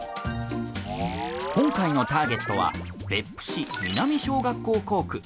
今回のターゲットは別府市南小学校校区。